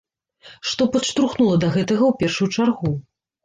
Што падштурхнула да гэтага ў першую чаргу?